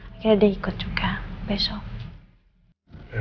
akhirnya udah ikut juga besok